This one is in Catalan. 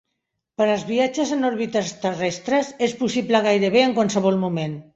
Per als viatges en òrbites terrestres, és possible gairebé en qualsevol moment.